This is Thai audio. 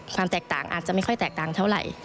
ความแตกต่างอาจจะไม่ค่อยแตกต่างเท่าไหร่